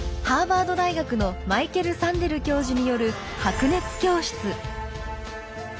ハーバード大学のマイケル・サンデル教授による「白熱教室」。